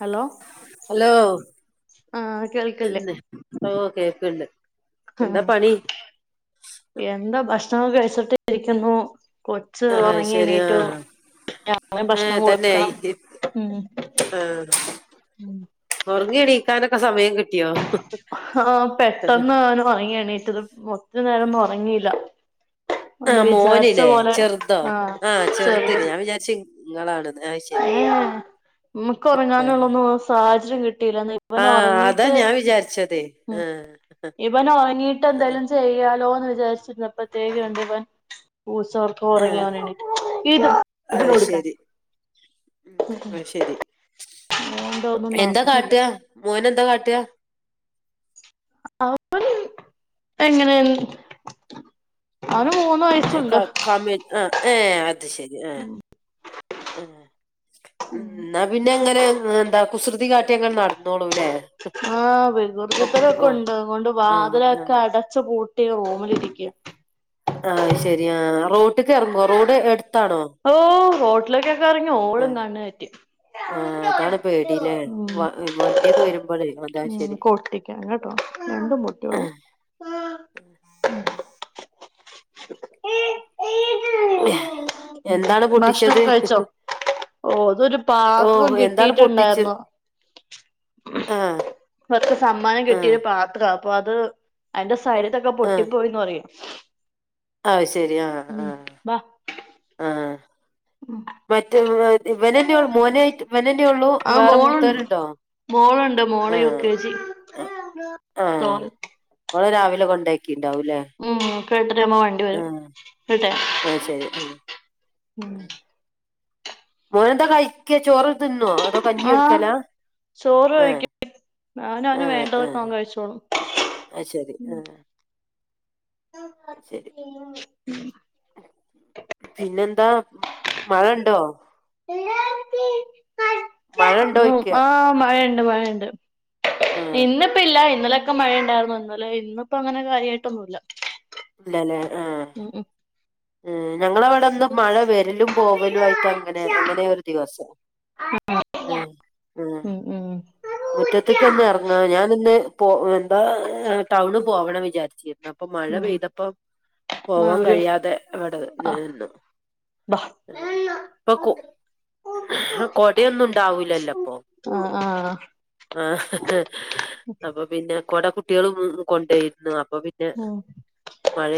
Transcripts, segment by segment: Hello hello ആഹ് കേൾക്കില്ലേ എന്നെ ഓ കേക്കുണ്ട് എന്താ ഭക്ഷണം കഴിച്ചിട്ടി രിക്കുന്നു കൊച്ച് ആഹ് ഉറങ്ങി ശരി എണീറ്റോ ആഹ് ഞങ്ങള് ഭക്ഷണം ഏഹ് തന്നെ കൊടുക്കണം ങ്ങിണിക്കാനക്കെ സമയം കിട്ടും ആ പെട്ടെന്ന് ഓൻ വങ്ങിയാണ് ഏറ്റത് കുറച്ച് നേരം ഭംഗിയില്ല ഉണ്ട് ആഹ് വിചാരിച്ച മോനില്ലേ പോലെ ചെറുതോ ആ ആഹ് ചെയ്ത് ചെറുതിന് ഞാൻ വിചാരിച്ച് ഇങ്ങളാണ്ന്ന് അത് ശരി ഏ നമുക്ക്റങ്ങാനുള്ള ആഹ് അതാ ഞാൻ വിചാരിച്ചതേ [unintelligible] [inaudible] ആഹ് ഇവൻ ഉറങ്ങീട്ട് എന്തെലും ചെയ്യാലോ എന്ന് വിചാരിച്ചിരുന്ന പ്രത്യേകുണ്ട് ഇവൻ പൂച്ചൊർക്ക്‌ ആഹ് ഒറങ്ങിഓൻ എണീറ്റ് ഇത് അത് കൊടുക്കാൻ ശരി ഉം ശരി അതുകൊണ്ട് ഒന്നും എന്താ നടന്നില്ല കാട്ട മോൻ എന്താ കാട്ട അവ പ്പൊരു എങ്ങനെണ്‌ [unintelligible] [inaudible] ക ആ ഏ അത് ശരി എ [inaudible] [unintelligible] ന്ന പിന്നെ എങ്ങനെ എന്താ കുസൃതി കാട്ടിങ്ങട് നടന്നോളൂ ലെ ആ വികൃതിതരക്കെ ഉണ്ട് അതോണ്ട് ആഹ് ആഹ് വാതിലൊക്കെ ആഹ് അടച് പൂ- ട്ടി റൂമിലിരിക്ക ആ ശരി ആ റോട്ട്ക്ക് എറങ്ങോ റോഡ് എട്ത്താണോ ഹോട്ടലൊക്കൊക്കെ എറങ്ങി ഓടുന്നാണ്‌ [unintelligible] ആ അതാണ് പേടി ലെ വ വണ്ടിയൊക്കെ വരുമ്പള് അതാ ഉം ശരി കൊട്ടിക്കാൻ കേട്ടോ രണ്ടും പൊട്ടിയോട [unintelligible] [inaudible] [inaudible] [unintelligible] [inaudible] [unintelligible] എന്താണ് ഭക്ഷ്ണം പൊട്ടിച്ചത് കഴിച്ചോ? ഓ അതൊരു പാത്രം ഓഹ് എന്താണ് പൊട്ടിച്ച് കിട്ടിട്ടുണ്ടായിരുന്നു. ആഹ് പ്പോ അത് സമ്മാനം കിട്ടിയ ആഹ് ഒരു പാത്ര പ്പൊ അത് അയ്ന്റെ സൈഡക്കെ പൊട്ടിപ്പോയിന്ന് പറയും. ആ ശരി ആ ആ ഉം ബാ ആ മറ്റെതല്ലാ ഇവനെന്നെ മോന് ഇവനെന്നെ ഉള്ളു ആ വേറെ മോളുണ് മൂത്തരുണ്ടോ മോളുണ്ട് മോള് യൂ ക്കെ ജി തോ ആഹ് ഓളെ രാവിലെ കൊണ്ടാക്കിണ്ടാവൂ ലെ [unintelligible] [inaudible] ഒക്കെ എട്ടരയാവുമ്പോ വണ്ടി ആ വരും കേട്ടെ ആ ശരി ആ ഉം മോനന്ത കഴിക്ക ചോറ് തിന്നോളൂ അതോ കഞ്ഞി എടുക്കലാ ആ [inaudible] [inaudible] [unintelligible] അവനവന് വേണ്ടതൊക്കെ അവൻ കഴിച്ചോളും. ആത് ശരി ആ ശരി പിന്നെന്താ മഴ ഉണ്ടോ? മഴ ഉ ഉണ്ടോയ്ക്ക ആ മഴയുണ്ട് മഴയുണ്ട് ആഹ് ഇന്നിപ്പ ഇല്ല ഇന്നലെ ഒക്കെ ഇണ്ടാർന്നു. ഒക്കെ മഴ ഉണ്ടായിരുന്നു ഇന്നലെ ഇന്നിപ്പോ അങ്ങനെ കാര്യമായിട്ടൊന്നുമല്ല. ഇല്ലല്ലേ ആ ഞങ്ങള അവിടെ ഇന്ന് മഴ കൂടുതലാ വരലും പോവലും ആയിട്ട് അങ്ങനെ അങ്ങനെയ ഒരു ദിവസം ഉം ആ ഉം ഉം മുറ്റത്തക്ക് ഒന്ന് ഇറങ്ങാ ഞാൻ ഇന്ന് പോ എന്താ ടൗണിൽ പോവണം വിചാരിച്ചിരുന്ന് അപ്പൊ മഴ ഉം പെയ്തപ്പ ആ പോവാൻ ഒരു കഴിയാതെ ഇവിടെ ആ നിന്ന്. ബാ ഉം പ്പക്കു കൊടയൊന്നും ഉണ്ടാവൂലല്ലോപ്പൊ ആ ആ ആ അപ്പൊ പിന്നെ കൊട കുട്ടികളും കൊണ്ടയിരുന്നു ഉം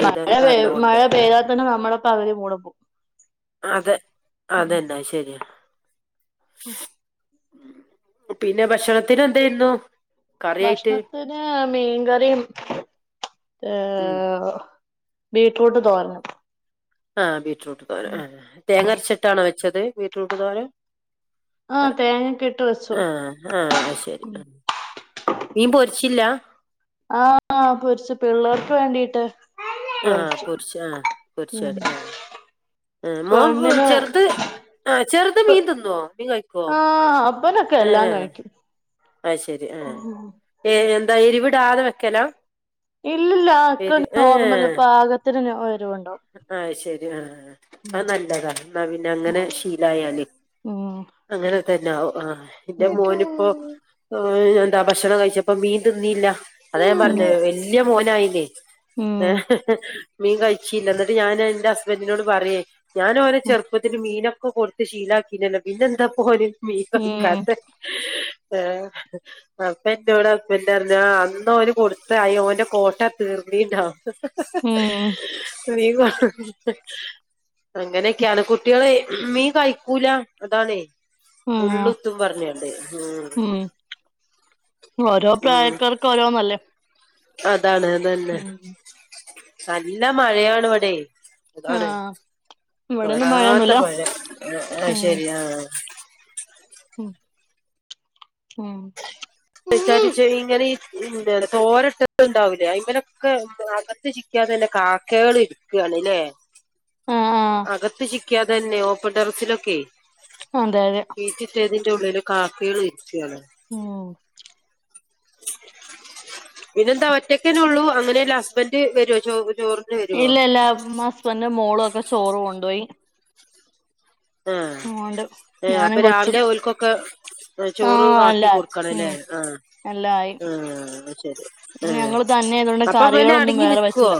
മഴ പെയ് കാരണം മഴ കൊണ്ടോയി പെയ്താൽ തന്നെ നമ്മളെ പകുതി മൂടും പോകും അതെ അതന്നെ അത്ശരിയാ [unintelligible] [inaudible] പിന്നെ ഭക്ഷണത്തിന് എന്തായിരുന്നു? കറിയായിട്ട് ഭക്ഷണത്തിന് മീൻകറിയും ചോറും ഉം [inaudible] [unintelligible] ബീറ്റ്‌റൂട്ട് തോരനും [inaudible] [unintelligible] ആഹ് ബീട്റൂട്ട് തോരൻ ആ തേങ്ങരച്ചിട്ടാണോ വെച്ചത് ബീറ്റ്റൂട്ട് തോരൻ? ആ അതേ തേങ്ങക്കെ ഇട്ട് വെച്ചു ആ ആ അത് ശരി ആ മീൻ പൊരിച്ചില്ല ആ പൊരിച്ച് പിള്ളേർക്ക് വേണ്ടീട്ട് ആ പൊരിച്ചു പൊരിച്ച് ആ പൊരിച്ച് ഉം അതേ ആ മോൻ പെണ്ണിന് ചെറുത് ആ ചെറുത് പെ മീൻ തിന്നോ മീൻ കഴിക്കുവോ ആ അപ്പനൊക്കെ ആ എല്ലാം കഴിക്കും അത് ശരി ആ ഏ എന്താ എരിവിടാതെ വെക്കല ഇല്ലില്ല ആൾക്കെ നോർമല് പാകത്തിന് എരിവുണ്ടാവും ആ ശരി ആ അത് നല്ലതാ എന്നാ പിന്നെ അങ്ങനെ ശീലായാൽ ഉം അങ്ങനെ തന്നെ ആവും ആ ഇന്റെ മോന് ഇപ്പോ ഭക്ഷണം കഴിച്ചപ്പോ മീൻ തിന്നിയില്ല അത ഞാൻ പറഞ്ഞെ വല്യ മോനായില്ലേ ഉം ഏ ഉം മീൻ കഴിചീല എന്നിട്ട് ഞാൻ എന്റെ ഹസ്ബൻഡിനോട് പറയേ ഞാന് ഓനെ ചെറുപ്പത്തിൽ മീനൊക്കെ കൊടുത്ത് ശീലാക്കീനല്ലെ പിന്നെ എന്താ ഇപ്പോ ഓന് മീൻ കഴിക്കാത്തെ ഏ അപ്പ എന്റെോടെ ഹസ്ബന്റ് പറഞ്ഞു ആ അന്ന്ന് അവന് കൊടുത്താ ആയി ഓന്റെ കോട്ട തീർ ഉം ഉം [unintelligible] അങ്ങനെയൊക്കെയാണ് കുട്ടികള് മീൻ കഴിക്കൂല അതാണേ ആഹ് മുള്ളുത്തും പറഞ്ഞോണ്ട് ഉം ഓരോ ഉം പ്രായക്കാർക്കും ഓരോന്നല്ലേ അതാണ് അതന്നെ ഉം നല്ല മഴയാണ് ഇവിടെ അതാണ് ആഹ് ഇവിടെന്നും തോരാത്ത മഴയൊന്നുല്ല മഴ ആ ആ ഉം ശരിയാ ഉം ഉം വിചാരിച്ച് ഇങ്ങനെ ഈ ഉ തോരട്ടൊക്കെ ഉണ്ടാവില്ലേ അയിമലൊക്കെ അകത്ത് ചിക്കാതെ ഇല്ല കാക്കകൾ ഇരിക്കുകയാണ് ല്ലേ ആഹ് അകത്ത് ശിക്കാതെ തന്നെ ഓപ്പൺ ടെറസിലൊക്കെ ആഹ് അതെ അതെ വിരിച്ചിട്ടേതിന്റെ ഉള്ളില് കാക്കകൾ ഇരിക്കയാണ് ഉം പിന്നെന്താ ഒറ്റക്കന്നെ ഉള്ളൂ അങ്ങനെല്ല ഹസ്ബന്ഡ് വരുവോ ചോർ ഇല്ല ഇല്ല ഹസ്ബന്ഡന്റും മോളും ഒക്കെ ചോറും കൊണ്ടുപോയി ആ ഞാനും അപ്പൊ കൊച്ചും രാവിലെ ഓല്കൊക്കെ ചോറ് ആഹ് അല്ല ആക്കി കൊടുക്കണം അല്ലേ ഉം ആ എല്ലാം ആയി ആ ശരി ആ ഞങ്ങള് തന്നെ ആയതുകൊണ്ട് അപ്പ പിന്നെ കറികളൊന്നും അടങ്ങി വേറെ നിക്കുവോ വെച്ചില്ല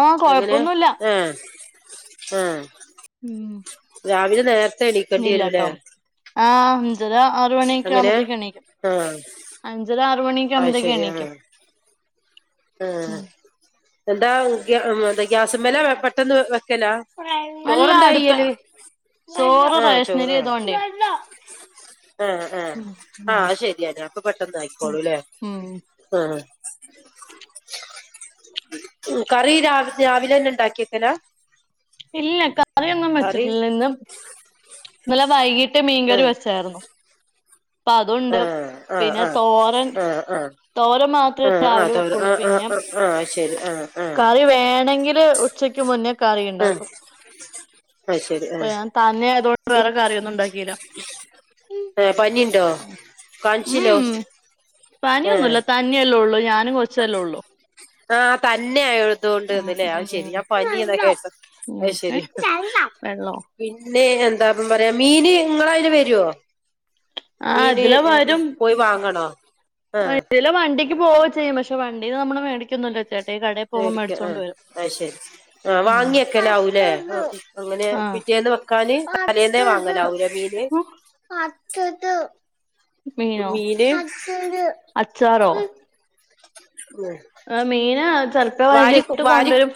ആഹ് അങ്ങനെ കൊഴപ്പൊന്നുല്ല ആ ആ ഉം രാവിലെ നേരത്തെ എണിക്കേണ്ടിരുല്ലേ ഇല്ലാട്ടോ ആഹ് അഞ്ചര ആറ് മണി ഒക്കെ ആകുമ്പോത്തേക്ക എണീക്കും അഞ്ചര ആറ് മണി അ ശരി ആ ആ ഉം എന്താ ഗ്യാസ്മെൽ ആണ പെട്ടെന്ന് വെക്കലാ അല്ല ചോറെന്താ അടുപ്പ ചെയ്യല് സോറ് റേഷനരി ആയതോണ്ടേ ആ ആ ആശരിയന്ന അപ്പൊ പെട്ടെന്ന് ആയിക്കോളൂല്ലേ ഉം ആ [unintelligible] ഉം കറി ര രാവിലെ തന്നെ ഉണ്ടാക്കി വെയ്ക്കല ഇല്ല കറിയൊന്നും വെച്ചിട്ടില്ല ഇന്ന് ഇന്നലെ വൈകിട്ട് [unintelligible] മീൻകറി ആഹ് വെച്ചായിരുന്നു അപ്പൊ അതുണ്ട് ആഹ് ആഹ് പിന്നെ ആഹ് തോരൻ ആഹ് ആഹ് തോരൻ മാത്രമേ ആഹ് ആഹ് രാവിലെ തോര വെക്കുള്ളു ആഹ് ആഹ് പിന്നെ ആഹ് ആഹ് ശരി ആആ കറി വേണെങ്കില് ഉച്ചക്ക് മുന്നേ കറി ഉണ്ടാക്കും അത് ശരി അപ്പൊ ആഹ് ഞാൻ തന്നെ ആയതൊണ്ട് വേറെ കറിയോന്നും ഉണ്ടാക്കില്ല ആ പനിയുണ്ടോ കാണിചില്ല പണിയൊന്നുല്ല. തന്നിയല്ലേ ഒള്ളൂ ഞാനും കൊച്ചല്ലേ ഒള്ളൂ. ആ തന്നെയായേടുത്തോണ്ട്ന്ന്ല്ലേ ഉം അത്ശരി. ഞാൻ പനീയെന്നാ കേട്ടത്. ഉം ഏ അയ്ശരി വെള്ളോ പിന്നെ എന്താപ്പം പറയാ മീന് ഇങ്ങളതില് വര്വോ? ആ മീന് ഇതിലെ ഏഹ് വരും പോയി വാങ്ങണോ ഏഹ് ഇതിലെ വണ്ടിക്ക് പോവ ചെയ്യും. പക്ഷേ വണ്ടില് നമ്മള് മേടിക്കന്നൂല്ല ചേ വേടിക്കാ ആ ആയ്ശരി. ആ ഉം വാങ്ങ്യക്കലാവൂലേ? ആ അങ്ങനെ ആ പിറ്റേന്ന് വെക്ക തലേന്നേ വാങ്ങലാവൂല്ലെ മീന് മീനോ മീന് അച്ചാറോ മ് മീന് ചെലപ്പോ വാരി വൈകിട്ട് വാരി കൊണ്ടുവരും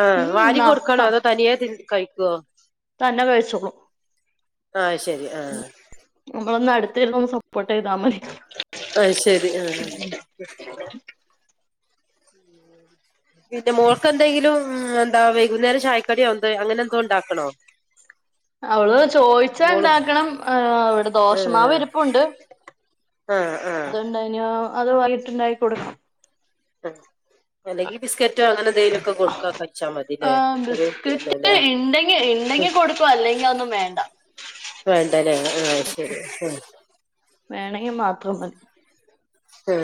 ആ ഉം വാരി ന്നാ കൊടുക്കണോ? അതോ തനിയേ തി കഴിക്ക്വോ? തന്നെ കഴിച്ചോളും ആ ശരി ആ നമ്മളൊന്ന അടുത്ത് ഇരുന്ന് ഒന്ന് സപ്പോർട്ട് ചെയ്താ മതി. ആ ശരി ആ പിന്നെ മോൾക്ക് എന്തെങ്കിലും എന്താ വൈകുന്നേരം ചായക്കടിയോ ന്താ അങ്ങനെ എന്തോ ഉണ്ടാക്കണോ? അവള് മോള് ചോയിച്ചാണ്ടാക്കണം. ആ അവിടെ ആഹ് ദോശമാവിരുപ്പുണ്ട്. ആഹ് ആഹ് അത്ണ്ടായിനോ അത് വൈയീട്ടുണ്ടായി കൊടുക്ക് ആ അല്ലെങ്കി ബിസ്ക്കറ്റോ അങ്ങനെ എന്തേലുംക്കെ കൊടുക്കാ കച്ചാ മതില്ലേ? ആഹ് ചെറ്യ ബിസ്ക്കറ്റ് കുട്ട്യല്ലേല്ലേ? ഇണ്ടെങ്കി ഇണ്ടെങ്കി കൊടുക്കോ അല്ലെങ്കിൽ അതോന്നും വേ വേണ്ടല്ലേ ആ ശരി ങാ വേണെങ്കി മാത്രം മതി. ആ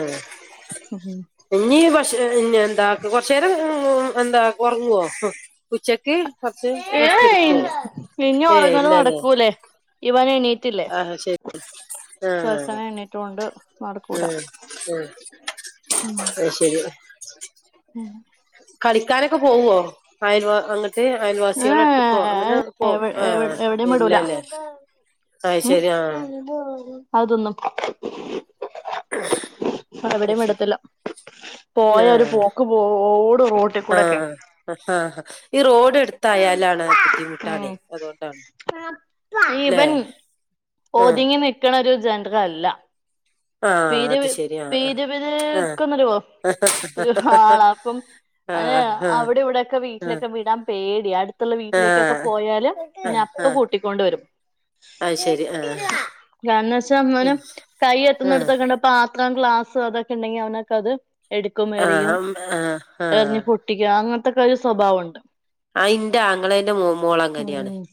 ഇനി പക്ഷേ ഇനന്താ കുറച്ചേരം ഉം എന്താ കൊറങ്ങ്വോ ഹ് ഉച്ചക്ക്? കൊറച്ച് റെസ്റ്റ് ഏയ് എടുക്കുവോ പിന്ന ഏയ് ഒറങ്ങല് ഇല്ലല്ലേ നടക്കൂല്ലേ? ഇവനെണീറ്റില്ലേ? ആഹ് ശരി ചെറുക്കന് എണീട്ട് കൊണ്ട് നടക്ക് ആ ആ അ ശരി ഉം കളിക്കാനൊക്കെ പോവോ? ആയൽവ അങ്ങ് ഏ അയൽവാസികൾടെ എടുത്തക്കോ? അങ്ങനെ ഏഹ് പോ എവി ആ എവിടേം വിടൂല ഇല്ലല്ലേ? അത് ശരി ആഹ് ഉം അത് തിന്നും അത് അവിടേം ശരി വിടത്തില്ല പോയ ഒരു ആഹ് പോക്ക് പോവൂ ഓടും റോട്ട് കൂടെക്കെ ആഹ് ആഹ് ആഹ് ഈ റോഡ് എടുത്തായാലാണ് ഉം ബുദ്ധിമുട്ടാണേ അതുകൊണ്ടാണ് ല്ലേ ഇവൻ ആഹ് ഒതുങ്ങി നിക്കണ ഒരു ജന്ററല്ല. ആഹ് പീര് അത് ശരി ആഹ് ആഹ് പീരുപീരുക്കന്നരുവോ ഒരു ആളാ അപ്പം അഹ് ആഹ് ആഹ് ആഹ് അവിടെ ഇവിടെക്കെ വീട്ടിലൊക്കെ വിടാൻ പേ ട്യാ അടുത്തുള്ള വീട്ടിലേക്കൊക്കെ ആഹ് പോയാല്. ഞാ ആഹ് പ്പ ആഹ് കൂട്ടിക്കൊണ്ടു വരും. അത് ശരി ആഹ് കാരണംച്ചാ അന്നേരം കയ്യേ ആഹ് എടുത്തൊന്നൊടത്തക്കണ്ട് പാത്രം ഗ്ലാസ് അതൊക്കെണ്ടെങ്കി അവനൊക്കെ അത് എടുക്കും. എറിയും. ആഹ് ആഹ് ആഹ് എറിഞ്ഞു പൊട്ടിക്ക അങ്ങത്തൊക്കെ ഒരു സ്വഭാവംണ്ട്. ആ ഇന്റെ ആങ്ങളേൻ്റെ മോ മോളങ്ങനെയാണ് ഉം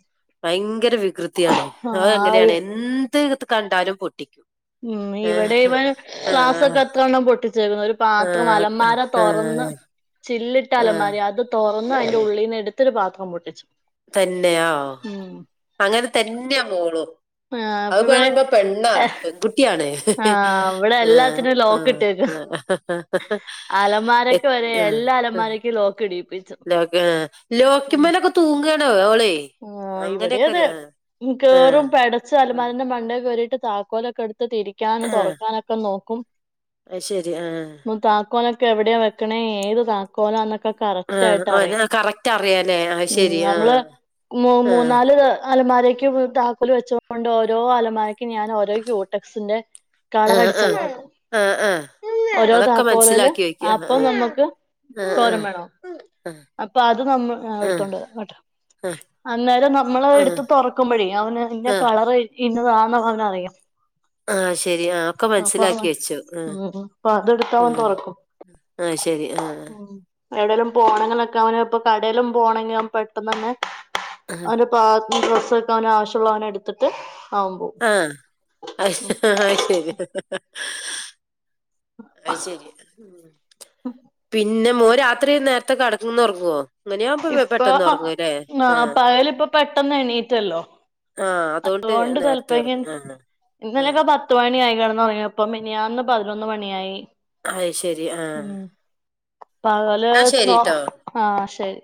ഭയങ്ക ര വികൃത്യാണ്. ആഹ് അതങ്ങനെയാണ് എന്ത് കണ്ടാലും പൊട്ടിക്കും. ഉം. ഇവിടേം ഏഹ് ഇവൻ ആഹ് ക്ലാസ്സൊക്കെ ഉം [unintelligible] ചില്ലിട്ട അലമാരി അത് തുറന്ന് അതിന്റെ ഉള്ളിൽന്ന് എടുത്തൊരു പാത്രം പൊട്ടിച്ചു തന്നെയാ ഉം അങ്ങനെ തന്നെയാ മോളും ആഹ് അത് അപ്പ ഇവൻ പറുമ്പ പെണ്ണാണ് പെൺകുട്ടിയാണ് ആഹ് ഇവിടെ ആ എല്ലാത്തിനും ആ ലോക്ക് ഇട്ടേക്കുവാ ആ ഹ ഹ ഹ എ അലമാരക്ക് വരെ ആ എല്ലാ അലമാരക്കും ലോക്ക് ഇടീപ്പിച്ചു ലോ ലോക്കിമേലൊക്കെ തൂങ്ങണോ ഓളെ ആ ഇവിടെ അങ്ങനെയൊക്കെ അതെ ഒരു ആഹ് കേറും ആഹ് പടച്ച് ആഹ് അലമാരന്റെ മണ്ട കേറിട്ട് താക്കോലൊക്കെ എടുത്ത് തിരിക്കാനും തുറക്കാനൊക്കെ നോക്കും അതു ശരി ആ ക്കോനൊക്കെ എവിടെയാ വെക്കണ ഏത് താക്കോലന്നൊ കറക്റ്റ് ആഹ് ആയിട്ട് അറിയാം ഓനെ കറക്റ്റ് അറിയാലേ അത് ഉം ശരി നമ്മള് ആഹ് മു ആഹ് മൂന്നാല് അലമാരക്ക് താക്കല് വെച്ചൊണ്ട് ഓരോ അലമാര ഞാൻ ഓരോ ക്യൂടെക്സിന്റെ കളർ ആഹ് അടിച്ച് ആഹ് ആഹ് ആഹ് [unintelligible] ഓരോ അതൊക്കെ താക്കോറില് മനസ്സിലാക്കി വെക്ക ആഹ് അപ്പം നമ്മുക്ക് ആഹ് തോരം ആഹ് വേണോ അപ്പൊ അത് നമ്മ ആഹ് എടുത്തോണ്ട് കേട്ടോ ആഹ് അന്നേരം നമ്മള് ആഹ് ആഹ് എടുത്ത് തുറക്കുമ്പോഴേ അവന് ഇന്ന ആഹ് കളർ ഇന്നതാന്ന്അവന്ക് അറിയാം ആ ശരി ആ ഒക്കെ മനസിലാക്കി വെച്ചു ആ ഉം അപ്പൊ അതെടുത്ത് ആ അവൻ തുറക്കും ആ ശരി ആ എവിടേങ്കിലും പോണങ്കൊക്കെ അവന് ഇപ്പൊ കടയിലും പോണെങ്കിൽ പെട്ടെന്ന് തന്നെ ആഹ് അങ്ങനെ പ ഡ്രസ് വെക്കാനോ ആവശ്യമള്ളാനോ എടുത്തിട്ട് അവൻ ആ പോവും ആഹ് ശരി അത് ശരി പിന്നെ മോ രാത്രി നേരത്തെ കടന്ന് ഉറങ്ങുവോ അങ്ങനെയാവുമ്പോ ഇപ്പ പെട്ടെന്ന് ഉറങ്ങൂല്ലേ നാ ആഹ് പയല ഇപ്പ പെട്ടന്ന് എണീറ്റല്ലോ ആഹ് അതുകൊണ്ട് നേരത്തെ ചെലപെ ൻ ഉറങ്ങും ക്കിൽ ആഹ് ആഹ് ഇന്നലെക്കെ പത്ത് മണി ആയി കിട- [unintelligible] മിനിയാന്ന് പതിനൊന്ന് മണിയായി അയ്ശെരി ആഹ് ഉം പകല് എന്നാ നോ ശരിട്ടോ ആഹ് ശെരി